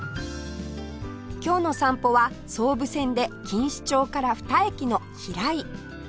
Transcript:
今日の散歩は総武線で錦糸町から２駅の平井